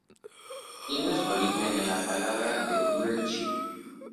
Tiene su origen en la palabra blue chip.